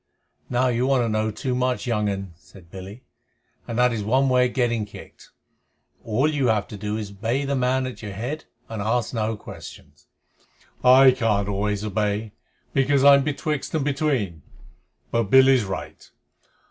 "Now you want to know too much, young un," said Billy, "and that is one way of getting kicked. All you have to do is to obey the man at your head and ask no questions." "He's quite right," said Two Tails. "I can't always obey, because I'm betwixt and between. But Billy's right.